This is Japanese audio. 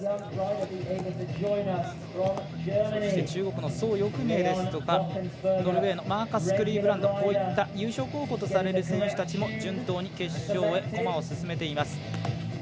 中国の蘇翊鳴ですとかノルウェーのマーカス・クリーブランドこういった優勝候補とされる選手たちも順当に決勝へ駒を進めています。